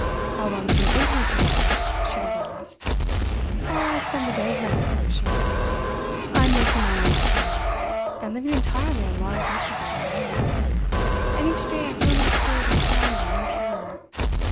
"How long have you been here to day?" she was asked. "Oh, I spend the day here now," she answered. "I am making my own 'cure,' and living entirely on raw vegetables and nuts, and each day I feel my spirit is stronger and purer.